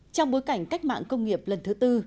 trong bối cảnh cách mạng công nghiệp lần thứ tư